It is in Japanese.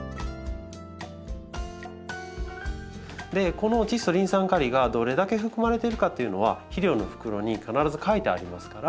このチッ素リン酸カリがどれだけ含まれてるかっていうのは肥料の袋に必ず書いてありますから。